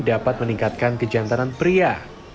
yang dapat meningkatkan kejantanan pria